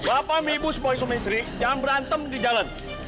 bapak ibu suami istri yang berantem di jalan